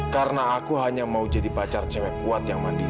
karena aku hanya mau jadi pacar cewek kuat yang mandiri